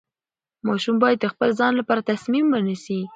ماشوم باید د خپل ځان لپاره تصمیم ونیسي.